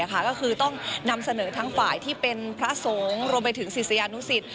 ก็คือต้องนำเสนอทั้งฝ่ายที่เป็นพระสงฆ์รวมไปถึงศิษยานุสิต